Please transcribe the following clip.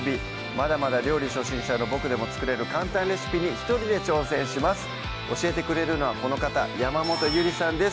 まだまだ料理初心者のボクでも作れる簡単レシピに一人で挑戦します教えてくれるのはこの方山本ゆりさんです